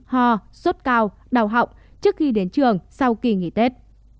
ho sốt cao đau họng trước khi đến trường sau kỳ nghỉ tết